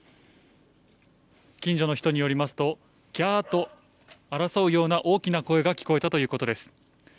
近所の人によりますと、ぎゃーっと、争うような大きな声が聞こえたということです。